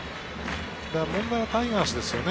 問題はタイガースですよね。